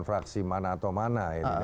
fraksi mana atau mana